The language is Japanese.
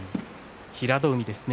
平戸海ですね。